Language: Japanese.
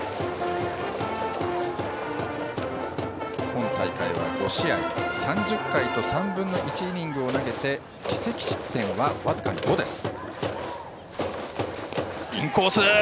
今大会は５試合３０回と３分の１イニングを投げ自責失点は僅か５です。